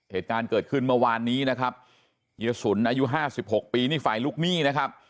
เหตุการณ์เกิดขึ้นเมื่อวานนี้นะครับเฮียศุลอายุ๕๖ปีฝ่ายลูกมี่นะครับ